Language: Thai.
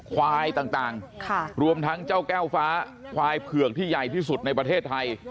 ควายต่างรวมทั้งเจ้าแก้วฟ้าควายเผือกที่ใหญ่ที่สุดในประเทศไทย